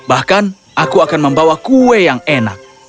bahkan aku akan membawa kue yang enak